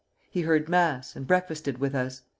He heard mass, and breakfasted with us.